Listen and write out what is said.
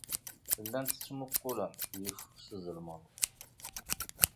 Llant ttmuqqulent yeffus, zelmeḍ.